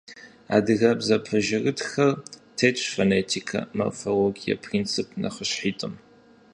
Адыгэбзэ пэжырытхэр тетщ фонетикэ, морфологие принцип нэхъыщхьитӏым.